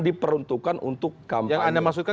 diperuntukkan untuk yang anda maksudkan